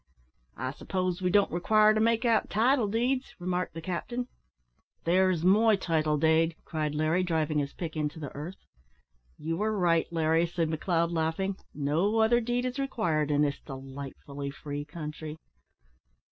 "I suppose we don't require to make out title deeds!" remarked the captain. "There's my title dade," cried Larry, driving his pick into the earth. "You are right, Larry," said McLeod, laughing, "no other deed is required in this delightfully free country."